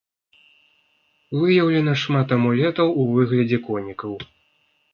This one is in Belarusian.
Выяўлена шмат амулетаў у выглядзе конікаў.